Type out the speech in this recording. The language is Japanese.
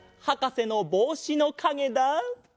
はかせのぼうしのかげだ！